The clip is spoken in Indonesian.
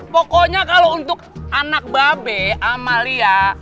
pokoknya kalau untuk anak babe amalia